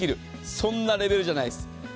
そんなレベルじゃないです。